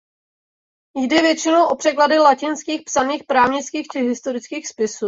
Jde většinou o překlady latinsky psaných právnických či historických spisů.